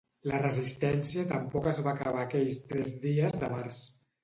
La resistència tampoc es va acabar aquells tres dies de març.